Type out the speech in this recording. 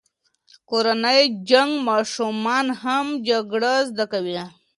کورنی جنګ ماشومان هم جګړه زده کوي.